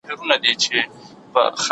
څېړونکی خپل نظریات له نورو سره شریکوي.